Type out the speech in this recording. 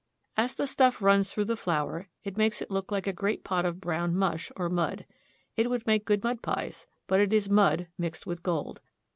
As the stuff runs through the flour, it makes it look like a great pot of brown mush or mud. It would make good mud pies ; but it is mud mixed with gold.